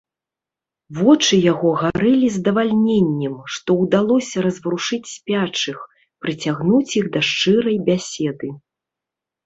Вочы яго гарэлі здавальненнем, што ўдалося разварушыць спячых, прыцягнуць іх да шчырай бяседы.